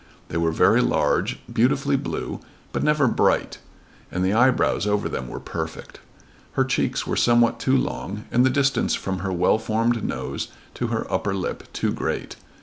They were very large, beautifully blue, but never bright; and the eyebrows over them were perfect. Her cheeks were somewhat too long and the distance from her well formed nose to her upper lip too great.